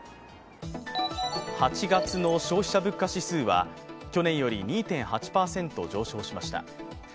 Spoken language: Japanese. ８月の消費者物価指数は去年より２．８％上昇しました。